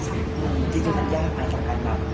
จิตกันยากนะสำคัญเนอะ